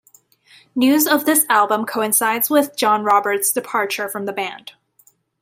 News of this album coincides with John Robert's departure from the band.